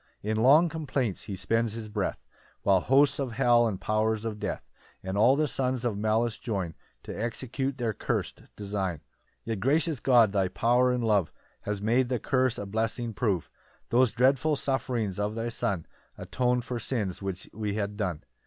2 In long complaints he spends his breath, While hosts of hell, and powers of death, And all the sons of malice join To execute their curst design. 3 Yet, gracious God, thy power and love Has made the curse a blessing prove; Those dreadful sufferings of thy Son Aton'd for sins which we had done.